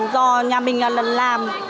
do nhà mình làm